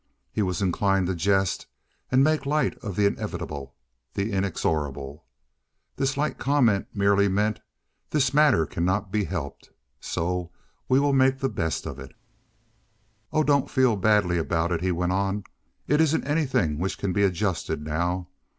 He was inclined to jest and make light of the inevitable, the inexorable. This light comment merely meant "this matter cannot be helped, so we will make the best of it." "Oh, don't feel badly about it," he went on. "It isn't anything which can be adjusted now.